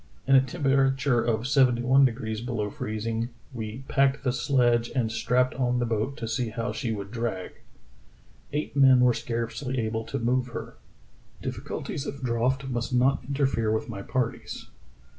In a temperature of seventy one degrees below freezing "we packed the sledge and strapped on the boat to see how she would drag. Eight men were scarcely able to move her. ... Difficulties of draught must not interfere with my parties.